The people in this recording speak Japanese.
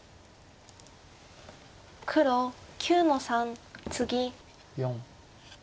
黒９の三ツギ。